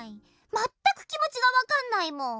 まったくきもちがわかんないもん。